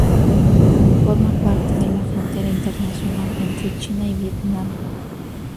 Forma parte de la frontera internacional entre China y Vietnam.